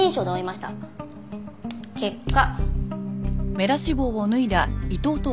結果。